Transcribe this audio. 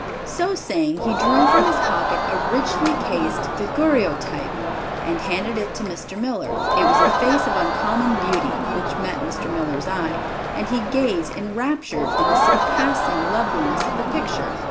So saying, he drew from his pocket a richly cased daguerreotype, and handed it to Mr. Miller. It was a face of uncommon beauty which met Mr. Miller's eye, and he gazed enraptured on the surpassing loveliness of the picture.